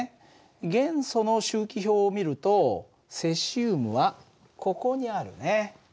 元素の周期表を見るとセシウムはここにあるね。